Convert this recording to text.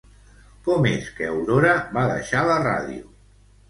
Com és que Aurora va deixar la ràdio?